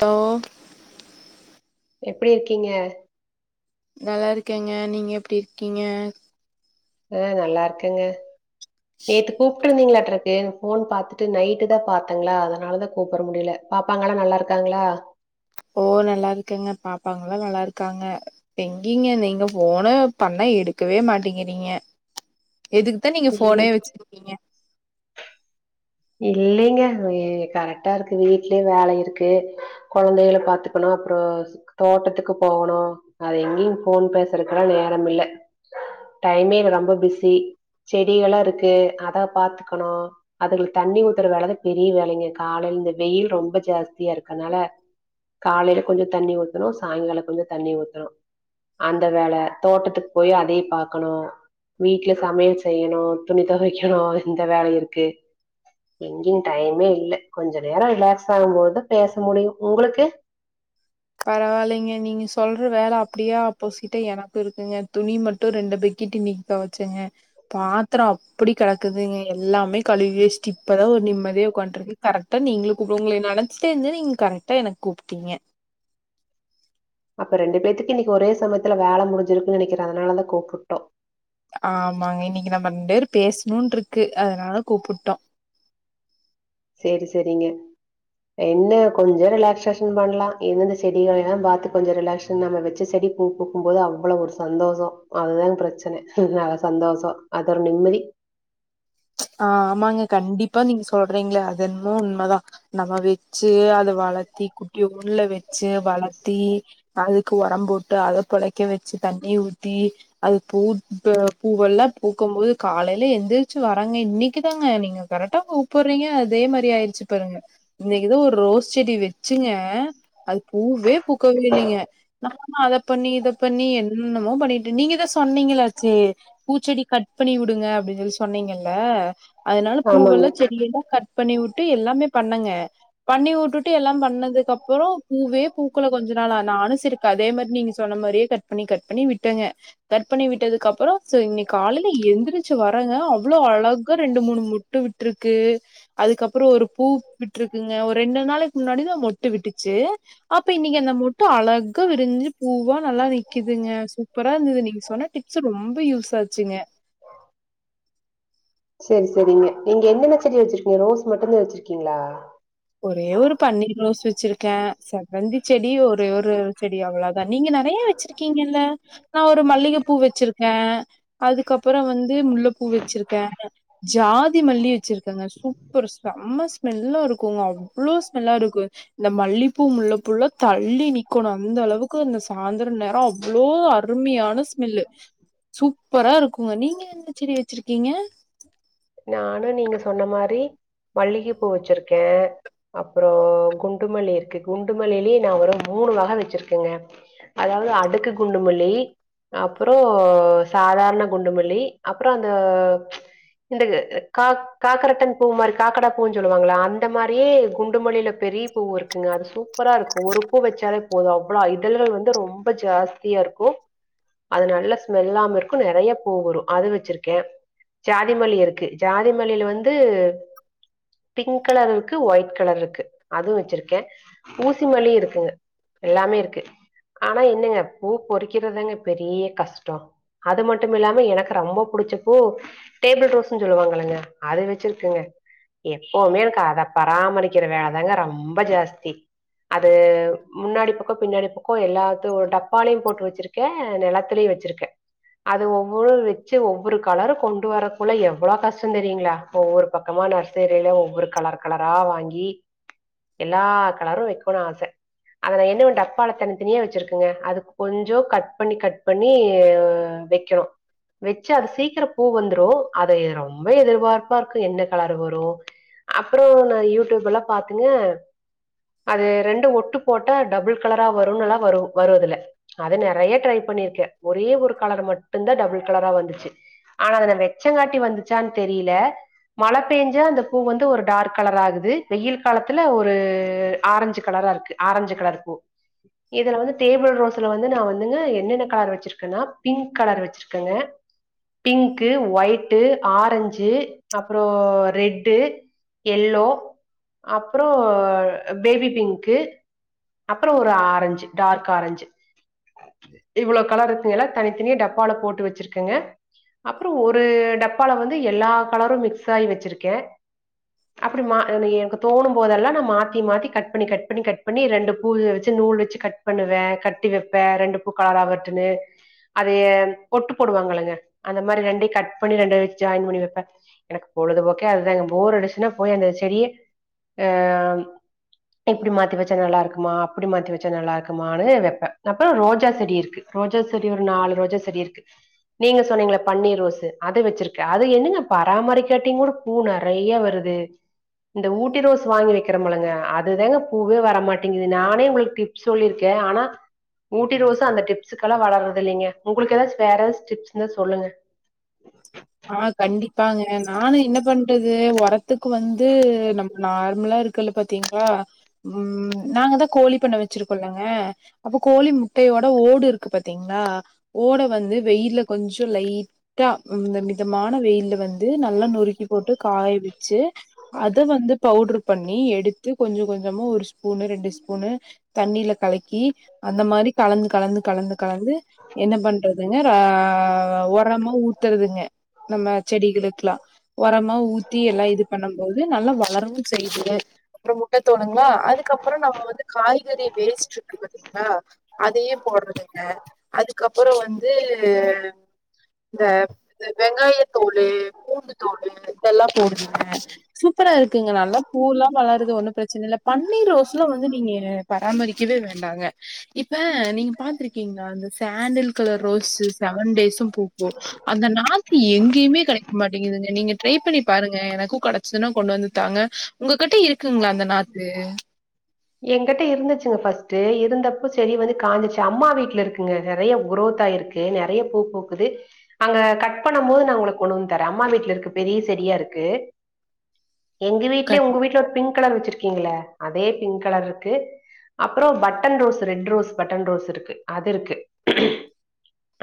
hello எப்டி இருக்கீங்க நல்லாருக்கேங்கே நீங்க எப்டிருக்கீங்கே ஆ நல்லாருக்கேங்க நேத்து கூப்பிட்ருந்தீங்களாட் ஏ போன் பாத்துட்டு நைட்டு தா பாத்தேங்ளா அதனாலதா கூப்புட முடியல பாப்பாங்களா நல்லாருக்காங்ளா ஓ நல்லாருக்கங்க பாப்பாங்ளா நல்லாருக்காங்க எங்கீங்க நீங்க போன பண்ணா எடுக்கவே மாட்டேங்கிறீங்கே எதுக்கு நீங்க இல் போனே வச்சிருக்கீங்கே இல்லைங்க கரெக்டாருக்கு வீட்லே வேல இருக்கு கொழந்தைகள பாத்துக்கணு அப்றோ தோட்டத்துக்கு போணு அதெங்கேயு போன் பேசுறக்குலா நேரம் இல்ல டைமேல்ல ரொம்ப பிஸி செடி எல்லா இருக்கு அத பாத்துக்கணு அதுகளுக்கு தண்ணி ஊத்துற வேலதா பெரிய வேலைங்க காலைல இருந்தே வெயில் ரொம்ப ஜாஸ்தியா இருக்குனால காலைல கொஞ்சோ தண்ணி ஊத்தணு சாயங்காலோ கொஞ்சோ தண்ணி ஊத்தணு அந்த வேல தோட்டத்துக்கு போய் அதே பாக்கணு வீட்ல சமையல் செய்யணு துணி தொவைக்கணு அடுத்து இந்த வேல இருக்கு எங்கேயு டைமே இல்ல கொஞ்சோ நேரோ ரிலாக்ஸ் ஆகும்போது தா பேச முடியு உங்ளுக்கு பரவாயில்லைங்க நீங்க சொல்ற வேலை அப்டியே அப்போசிட்டா எனக்கு இருக்குங்க துணி மட்டு ரெண்டு பக்கேட்டு நீ தோவசேங்க பாத்ரோ அப்டி கெடக்குதுங்க எல்லாமே கழுவிவச்ட்டு இப்பதா ஒரு நிம்மதியா உக்கான்ட்டுருக்கே கரெக்டா நீங்ளுக்கு கூப்ப உங்கள நெனச்ட்டே இருந்தே நீங்க கரெக்டா எனக்கு கூப்ட்டீங்க அப்ப ரெண்டு பேத்துக்கு இன்னிக்கி ஒரே சமயத்துல வேல முடிஞ்சிருக்குன்னு நெனைகிறே அதனாலதா கூப்பிட்டோ ஆமாங்க இன்னிக்கு நம்ம ரெண்டு பேரு பேசணுனு இருக்கு அதனால கூப்புட்டோ செரி செரிங்க என்ன கொஞ்சோ ரிலாக்ஸ்சேஷன் பண்லா இ இந்த செடிகள் எல்லா பாத்து கொஞ்சோ ரிலாக்ஸ் நம்ம வச்ச செடி பூ பூக்கும்போது அவ்ளவு ஒரு சந்தோஷோ அதுதா பிரச்சன சந்தோஷோ அது ஒரு நிம்மதி ஆமாங்க கண்டிப்பா நீங்க சொல்றீங்கள அது என்னமோ உண்மதா நம்ம வச்சி அது வளத்தி குட்டியோன்ல வச்சி வளத்தி அதுக்கு ஒரம் போட்டு அத பொளைக்க வச்சி தண்ணிய ஊத்தி அது பூத்து பூவெல்லா பூக்கும் போது காலைல எந்திரிச்சி வர பாருங்க இன்னைக்கு தாங்க நீங்க கரெக்டா கூப்பிடுறீங்க அதே மாதிரி ஆயிடுச்சி பாருங்க இன்னிக்கு தா ஒரு ரோஸ் செடி வெச்சுங்க அது பூவே பூக்கவே இல்லைங்க நானு அத பண்ணி இத பண்ணி என்னமோ பண்ணிட்டே நீங்கதா சொன்னீங்களாச்சு பூச்செடி கட் பண்ணி விடுங்க அப்டின்னு சொன்னீங்க அதனால ஆமாங்க பூவெல்லா செடியெல்லா கட் பண்ணி விட்டு எல்லாமே பண்ணேங்க பண்ணி வுட்டுட்டு எல்லா பண்ணதுக்கப்புறோ பூவே பூக்கள கொஞ்சோ நாளா நானு செரி அதே மாரி நீங்க சொன்ன மாரியே கட் பண்ணி கட் பண்ணி விட்டேங்க கட்ப் பண்ணி விட்டதுக்கப்றோ இன்னிக்கு காலைல எந்திரிச்சு வரேங்க அவ்ளோ அழகா ரெண்டு மூணு மொட்டு வுட்டுருக்கு அதுக்கப்றோ ஒரு பூ விட்டுருக்குங்க ஒரு ரெண்டு நாளுக்கு முன்னாடி தா மொட்டு விட்டுச்சு அப்ப இன்னைக்கு அந்த மொட்டு அழகா விரிஞ்சு பூவா நல்லா நிக்குதுங்க சூப்பரா இருந்தது நீங்க சொன்ன டிப்ஸு ரொம்ப யூஸ் ஆச்சுங்க சேரி சேரிங்க நீங்க என்னென்ன செடி வச்சிருக்கீங்க ரோஸ் மட்டுந்தா வச்சிருக்கீங்களா ஒரே ஒரு பன்னீர் ரோஸ் வச்சிருக்கே செவந்தி செடி ஒரே ஒரு செடி அவ்ளோ தா நீங்க நெறைய வச்சிருக் கீங்கல்ல நா ஒரு மல்லிகப்பூ வச்சிருக்க அதுக்கப்புறம் வந்து முல்லப்பூ வச்சிருக்க ஜாதி மல்லி வச்சிருக்காங்க சூப்பர் செம்ம ஸ்மெல்லாருக் குங்க அவ்ளோ ஸ்மெல்லா இருக்கூ இந்த மல்லிப்பூ முல்ல பூல்லா தள்ளி நிக்கணு அந்த அளவுக்கு இந்த சாந்திர நேரொ அவ்வளோ அருமையான ஸ்மெல்லு சூப்பரா இருக்குங்க நீங்க என்ன செடி வச்சிருக்கீங்க நானு நீங்க சொன்ன மாரி மல்லிக பூ வச்சிருக்கே அப்புற குண்டுமல்லி இர்க்கு குண்டுமல்லிலே நா ஒரு மூணு வக வச்சிருக்கேங்க அதாவ்து அடுக்கு குண்டுமல்லி அப்புற சாதார்ண குண்டுமல்லி அப்புற அந்த ந்தகு காக் காகரட்டன் பூ மாரி காக்கடா பூன் சொல்லுவாங்களா அந் இந்த மாரியே குண்டுமல்லில பெரிய பூவு இருக்குங்க அது சூப்பராருக்கு ஒரு பூ வச்சாலெ போது அவ்ளோ இதழ்ள் வந்து ரொம்ப ஜாஸ்தியாருக்கு அது நல்ல ஸ்மெல்லாம இர்க்கு நெறைய பூ வரு அது வச்சிர்க்கே ஜாதிமல்லி இர்க்கு ஜாதிமல்லில வந்து பிங்க் கலர் இருக்கு ஒயிட் கலர்ருக்கு அதுவு வச்சுருக்கே ஊசிமல்லி இருக்குங்அ எல்லாமேருக்கு ஆனா என்னங்க பூ பொறிக்கிறதங்க பெரிய கஷ்டொ அதுமட்டுமில்லாம எனக்கு ரொம்பொ புடிச்சப்பூ டேபிள் ரோஸுன் சொல்லுவாங்கல்லங்க அது வச்சிருக்கங்க எப்பவுமே இருக் அத பராமரிக்கிற வேல தங்க ரொம்ப ஜாஸ்தி அது முன்னாடிப் பக்கொ பின்னாடிப்புக்கோ எல்லாத்து ஒரு டப்பாலியு போட்டு வச்சிருக் க நெலத்திலியு வச்சிருக்க அது ஒவ்வொளு வெச்சு ஒவ்வொரு கலரு கொண்டு வரக்குள்ள எவ்வளோ கஷ்டந்தெரியுங்களா ஒவ்வொரு பக்கமா நர்சரில ஒவ்வொரு கலர் கலரா வாங்கி எல்லா கலரு வைக்கனு ஆச அத நா என்னவெண் டப்பாள தனி தனியா வெச்சிருக்கங்க அது கொஞ்சொ கட் பண்ணி கட் பண்ணி வெக்கணு வெச்சு அது சீக்கிர பூ வந்துரூ அதை ரொம்ப எதிர்பார்ப்பாருக்கு என்ன கலர் வரு அப்புறோ நா யூடியூப்யெல்லா பாத்துங்க அது ரெண்டு ஒட்டு போட்டா டபுள் கலரா வருன்னுல்லா வரு வரூஅதுல்ல அது நெறைய ட்ரை பண்ணிர்க்கே ஒரே ஒரு கலர் மட்டுந்தா டபுள் கலரா வந்துச்சு ஆனா அத நா வெச்சங்காட்டி வந்துச்சான் தெரியில மழை பெஞ்சா அந்த பூ வந் ட்டு ஒரு டார்க் கலராகுது வெயில் காலத்துல ஒரு ஆரஞ்சு கலரா இருக்கு ஆரஞ்சு கலர் பூ இதுல வந்து டேபிள் ரோஸ்ஸுல வந்து நா வந்துங்க என்னென்ன கலர் வச்சிருக்கன்னா பிங்க் கலர் வச்சு கங்க பிங்க்கு ஒயிட்டு ஆரஞ்சு அப்பறோ ரெட்டு எல்லோ அப்றோ பேபிபிங்க்கு அப்றோ ஒரு ஆரஞ்சு டார்க் ஆரெஞ்சு அற்றி இவ்ளோ கலர் இருக்குங்களா எல்லா தனித்தனியா டப்பால போட்டு வச்சிருக்கெங்க அப்பறோ ஒரு டப்பால வந்து எல்லா கலரூ மிக்ஸ் ஆயி வச்சிருக்கே அப்டி மா என எனக் தோணுமஅபோதெல்லா நா மாத்திமாத்தி கட் பண்ணி கட் பண்ணி கட் பண்ணி ரெண்டு பூல் வெச்சு நூல் வச்சு கட் பண்ணுவே கட்டி வெப்பே ரெண்டு பூக கலரா வர்ட்டுன்னு அதுயே ஒட்டு போடுவாங்களங்க அந்த மாரி ரெண்டையு கட் பண்ணி ரெண்டு ஜாயின் பண்ணி வெப்பே எனக் பொழுதுபோக்கே அதுதாங்க போர் அடிச்சுன்னா போய் அந்த செடிய ஆ இப்டி மாத்தி வச்சா நல்லாருக்குமா அப்புடி மாத்தி வச்சா நல்லாருக்குமானு வெப்பே அப்ப ரோஜாசெடி இர்க்கு ரோஜா செடி ஒரு நாலு ரோஜா செடி இருக்கு நீங்க சொன்னீங்ள பன்னீ ரோஸு அத வெச்சிருக்கு அது என்னங்க பராமரிக்காட்டிங் கூட பூ நறைய வருது து இந்த ஊட்டி ரோஸ் வாங்கி வெக்கிறமலங்க அதுதேங்க பூவே வரமாட்டேங்கிது நானே உங்ளுக் டிப் சொல்லிர்க்கே ஆனா ஊட்டி ரோஸு அந்த டிப்ஸுக்கலா வளர்றது இல்லிங்க உங்ளுக்கு எதாச் வேற எதாச் டிப்ஸ்ந்தா சொல்லுங்க அ கண்டிப்பாங்க நானு என்ன பண்றது ஒரத்துக்கு வந்து நம நார்ம்லா இருக் குல்லுபாத்தீங்ளா ம் நாங்க தா கோழி பண்ண வச்சிருக்கோல்லங்க அப்ப கோழி முட்டையோட ஓடு இருக்கு பாத்தீங்ளா ஓடவந்து வெயில்ல கொஞ்சோ லைட் டா இந்த மிதமான வெயில்ல வந்து நல்லா நொறுக்கி போட்டு காய வெச்சு அத வந்து பவுட்ரு பண்ணி எடுத்து கொஞ்ச கொஞ்சமா ஒரு ஸ்பூனு ரெண்டு ஸ்பூனு தண்ணில கலக்கி அந்த மாரி கலந் கலந்து கலந்து கலந்து என்ன பண்றதுங்கற ஆ ஒரமா ஊத்தறதுங்க நம்ம செடிகெளுக்லா ஒரம்மா ஊத்தி எல்லா இது பண்ணம்போது நல்லா வளரவு செய்து ப்றோ முட்ட தோலுங்ளா அதுக்கப்ற நம்ம வந்து காய்கறி வேஸ்ட்ருக்கு பாத்தீங்ளா அதயே போட்றதுங்க அதுக்கப்புற வந்து இந்த வெங்காய தோலு பூண்டு தோலு இதல்லா போடுவிங்க சூப்பரா இருக்குங்க நல்லா பூல்லா வளருறது ஒன்னு பிரச்சன இல்ல பன்னீர் ரோஸ்ல வந்து நீங்க பராமரிக்கவே வேண்டாங்க இப்ப நீங்க பாத்ருக்கீங்ளா இந்த sandal colour rose seven days பூக்கு அந்த நாத் எங்கியுமே கடைக் மாட்டிங்குது தூங்க நீங்க ட்ரை பண்ணி பாருங்க எனக்கு கடச்சிதுனா கொண்டு வந்து தாங்க உங்ககுட்ட இருக்குங்ளா அந்த நாத்து ஏங்கெட்ட இருந்துச்சுங்க ஃபர்ஸ்ட்டு இருந்தப்ப செடி வந்து காஞ்சுச்சு அம்மா வீட்ல இருக்குங்க நெறைய குரோத் ஆயிருக்கு து நெறைய பூ பூக்குது அங்க கட் பண்ணமோது நா உங்குளுக் கொண்டு வந் தர அம்மா வீட்ல இருக்கு பெரிய செடியா இருக்கு எங்கு வீட்லே உங்க வீட்ல ஒரு பிங்க் கலர் வச்சிருக்கீங்ளே அதே பிங்க் கலர்ருக்கு அப்புறோ button rose red rose button ரோஸ்ருக்கு அது இருக்கு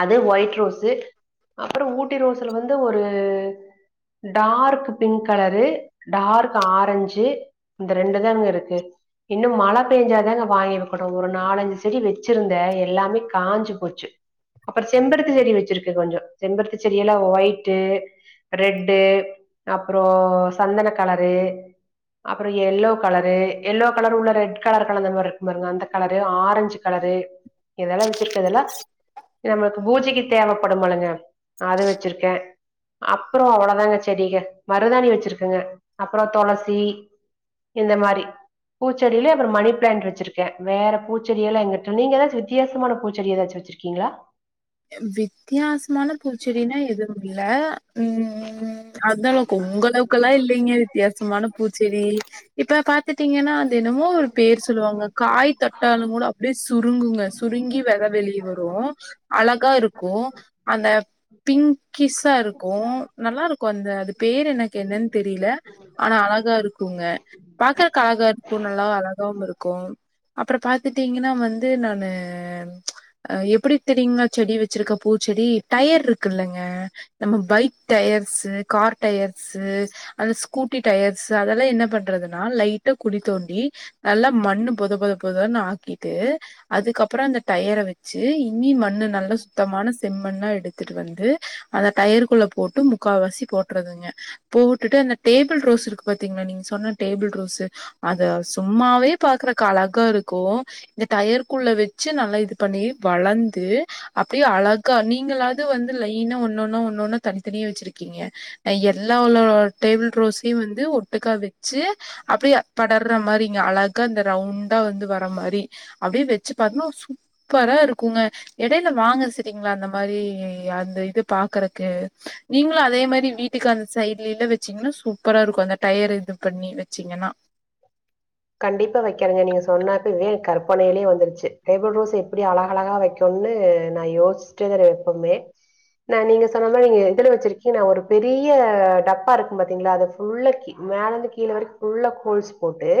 அது ஒயிட் ரோஸு அப்புற ஊட்டி ரோஸுல வந்து ஒரு dark pink colour dark orange இந்த ரெண்டு தேங்க இருக்கு இன்னு மழ பேஞ்சாதாங்க வாங்கி வக்கனு ஒரு நாலஞ்சு செடி வெச்சிருந்த எல்லாமே காஞ்சு போச்சு அப்புற செம்பருத்தி செடி வெச்சிருக்கு கொஞ்சோ செம்பருத்தி செடி எல்லா ஒயிட்டு ரெட்டு அப்றோ சந்தன கலரு புற யெல்லோ கலரு யெல்லோ கலர் உள்ள ரெட் கலர் கலந்த மார்ருக்கு பாருங்க அந்த கலரு ஆரஞ் கலரு இதல்லா வெச்சிருக்கதுல்லா எம்மளுக்கு பூஜைக்கு தேவப்படுமலங்க அத வெச்சிருக்கே அப்புறோ அவளதாங்க செடிக மருதாணி வெச்சிருக்கங்க அப்புற தொளசி இந்த மாரி பூச்செடிலே அப்புற மணிப்ளேண்ட் வெச்சிருக்கே வேற பூச்செடியெல்லா எங்கிட்ட நீங்க ஏதாச்சு வித்தியாசமான பூச்செடி எதாச்சு வெச் இருக்கீங்ளா எம் வித்யாஸ்மான பூச்செடினா எதுவும் இல்ல ம் ம் அந்தலவுக் உங் அளவுக்கலா இல்லிங்கே தியாசமான பூச்செடி இப்ப பாத்துட்டீங்கனா வந் தினமோ ஒரு பேர் சொல்லுவாங்க காய் தட்டாளும் மூட அப்டியே சுருங்குங்க சுருங்கி வெத வெளிய வர் ரும் அழகா இருக்கும் அந்த பிங்க்கிஸா இருக்கும் நல்லா இருக்கும் அந்த அது பேர் எனக்கு என்னன்னு தெரியல ஆனா அழகா இருக்குங்க பாக்குறக்கு அழகா இருக்கும் நல்லாவ அழகாவும் இருக்கும் அப்புறம் பாத்துட்டீங்கன்னா வந்து நானு அ எப்டி தெரிங்ளா செடி வச்சிருக்க பூச்செடி டயர் இருக்குல்லங்க நம்ப பைக் டயர்ஸு கார் டயர்ஸு அந்த ஸ்கூட்டி டயர்ஸு அதெல்லாம் என்ன பண்றதுன்னா லைட்டா குழி தோண்டி நல்லா மண்ணு பொத பொத பொதன்னு ஆக்கிட்டு அதுக்கப்புறம் அந்த டயர வச்சு பண்ணி மண்ணு நல்லா சுத்தமான செம்மண்ணா எடுத்துட்டு வந்து அந்த டயர் குள்ள போட்டு முக் காவாசி போட்றதுங்க போட்டுட்டு அந்த டேபிள் ரோஸ் இருக்கு பாத்தீங்களா நீங்க சொன்ன டேபிள் ரோஸு அது சும்மாவே பாக்குறக்கு அழகா இருக்கும் இந்த டயர்குள்ள வச்சு நல்லா இது பண்ணி வளந்த் து அப்டியே அழகா நீங்களாவது வந்து லைன ஒன்னொன்னா ஒன்னு ஒன்னா தனித்தனியே வச்சிருக் கீங்க நா எல்லா உள்ள டேபிள் ரோஸையும் வந்து ஒட்டுக்கா வச்சு அப்டியே படர்ற மாரி இங்க அழகா இந்த ரவுண்டா வந்து வர மாரி அப்டி வெச்சு பாத்னொ சூப்பரா இருக்குங்க எடையில வாங்க சரிங்ளா அந்த மாரி அந்த இது பாக்குறக்கு நீங்களும் அதே மாரி வீட்டுக்கு அந்த சைட்லில்ல வச்சீங்கன்னா சூப்பரா இருக்கும் அந்த டயர் இது பண்ணி வச்சீங்கன்னா கண்டிப்பா வைக்கிறங்க நீங்க சொன்னாக்கவே கற்பனையிலே வந்துருச்சு டேபிள் ரோஸ் எப்டி அழகழகா வைக் சொண்ணு நா யோச்ட்டு இரு எப்பமே நா நீங்க சொன்ன மாரி நீங்க இதுல வச்சிருக்கீ நா ஒரு பெரிய டப்பா இருக்கும் பாத்தீங்களா அத ஃபுல்லா கி மேலந்து கீழ வரைக்கும் ஃபுல்லா கோல்ஸ் போட்டு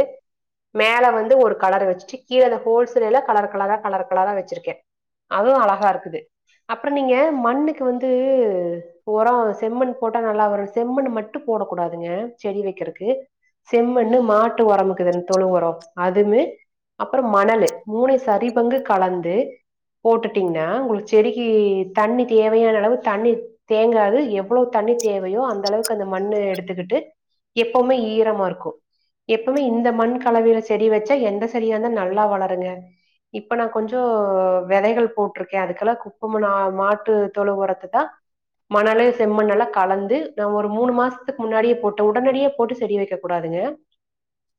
மேல வந்து ஒரு கலர் வச்சுட்டு கீழ அந்த ஹோல்ஸ் எல்லா கலர் கலரா கலர் கலரா வச்சிருக்கேன் அதுவும் அழகா இருக்குது அப்புறம் நீங்க மண்ணுக்கு வந்து ஒரொ செம்மண் போட்டா நல்லா வரும் செம்மண் மட்டும் போடக் கூடாதுங்க செடி வைக்கிறதுக்கு செம்மண்ணு மாட்டு ஒரமுக்குதுன்னு தொழு ஒரம் அதுமு அப்புறம் மணல் மூனையும் சரி பங்கு கலந்து போட்டுட்டீங்கன்னா ஒங்ளுக்கு செடிக்கு தண்ணி தேவையான அளவு தண்ணி தேங்காது எவ்வளோ தண்ணி தேவையோ அந்த அளவுக்கு அந்த மண்ணு எடுத்துக்கிட்டு எப்பவ்மே ஈரமா இருக்கும் எப்பவ்மே இந்த மண் கலவையில செடி வச்சா எந்த செடியா இருந்தா நல்லா வளருங்க இப்ப நா கொஞ்சம் வெதைகள் போட்ருக்கேன் அதுக்கெல்லா கு ம்முன மாட்டு தொழு ஒரத்ததா மணலு செம்மண்ணு எல்லா கலந்து நா ஒரு மூணு மாசத்துக்கு முன்னாடியே போட்டு உடனடியே போட்டு செடி வைக்க கூடாதுங்க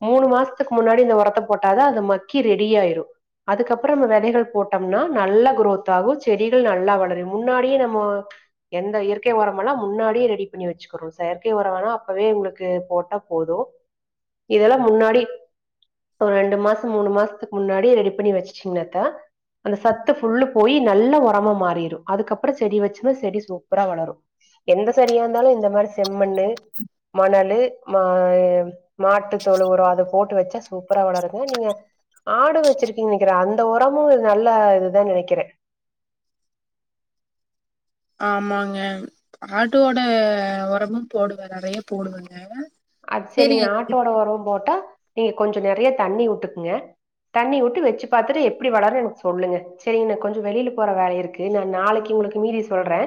மூணு மாசத்துக்கு முன்னாடி இந்த ஒரத்த போட்டாதான் அது மக்கி ரெடிய ஆயிரும் அதுக்கப்புறம் நம்ம வெதைகள் போட்டோம்னா நல்லா குரோத் ஆகும் செடிகள் நல்லா வளரும் முன்னாடியே நம்மோ எந்த இயற்கை ஒரமனா முன்னாடியே ரெடி பண்ணி வச்சுக்கிறோம் செயற்கை ஒரம்னா அப்பவே உங்ளுக்கு போட்டா போதும் இதெல்லாம் முன்னாடி ஒரு ரெண்டு மாசம் மூணு மாசத்துக்கு முன்னாடியே ரெடி பண்ணி வச்சிட்டீங்கனாக்கா அந்த சத்து ஃபுல்லும் போயி நல்லா ஒரமா மாறிடும் அதுக்கப்புறம் செடி வச்சோனா செடி சூப்பரா வளரும் எந்த சரியா இருந்தாலும் இந்த மாரி செம்மண்ணு மணலு மா மாட்டுத்தொழு ஒரொ அத போட்டு வச்சா சூப்பரா வளருங்க நீங்க ஆடு வச்சிருக்கீங்க நெனைக்கிறேன் அந்த ஒரமும் நல்லா இதுதா நெனைக்கிறேன் ஆமாங்க ஆட்டுடோட ஒரமு போடுவ நெறைய போடுவங்க ஆ செரிங்க ஆட்டோட ஒரோ போட்டா நீங்க கொஞ்சோ நெறைய தண்ணி வுட்டுக்குங்க தண்ணி வுட்டு வச்சு பாத்துட்டு எப்டி வளருன்னு எனக்கு சொல்லுங்க சேரிங்க கொஞ்சோ வெளியில போற வேல இருக்கு நா நாளைக்கு உங்களுக்கு மீதி சொல்ற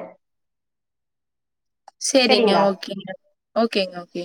செரிங்க ஓகேங்க ஓகேங்க ஓகே